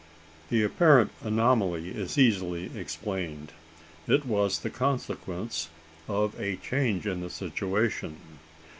The apparent anomaly is easily explained. It was the consequence of a change in the situation.